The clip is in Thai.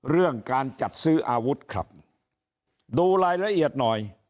เรื่องการจัดซื้ออาวุธครับดูรายละเอียดหน่อย